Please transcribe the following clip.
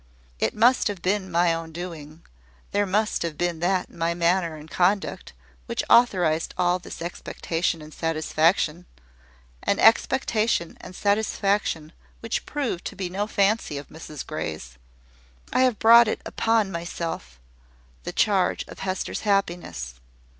It must have been my own doing; there must have been that in my manner and conduct which authorised all this expectation and satisfaction, an expectation and satisfaction which prove to be no fancy of Mrs Grey's. I have brought upon myself the charge of Hester's happiness.